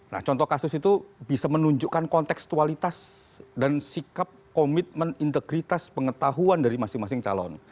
nah contoh kasus itu bisa menunjukkan kontekstualitas dan sikap komitmen integritas pengetahuan dari masing masing calon